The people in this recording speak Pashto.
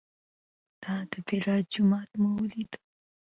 د بلال جومات مو ولید.